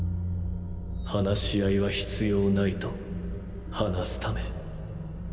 話し合いは必要無いと話すため。